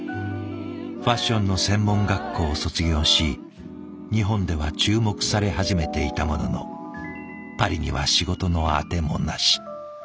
ファッションの専門学校を卒業し日本では注目され始めていたもののパリには仕事の当てもなし。